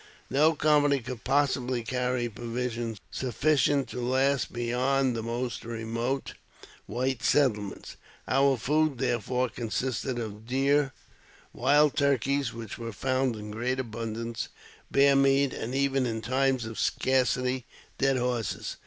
No company could possibly carry provi sions sufficient to last beyond the most remote white settle ments. Our food, therefore, consisted of deer, wild turkeys which were found in great abundance), bear meat, and, even in times of scarcity, dead horses.